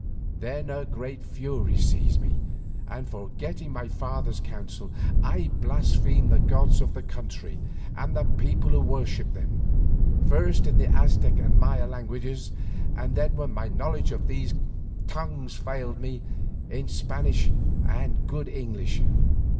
Then a great fury seized me and, forgetting my father's counsel, I blasphemed the gods of that country and the people who worshipped them, first in the Aztec and Maya languages, then when my knowledge of these tongues failed me, in Spanish and good English.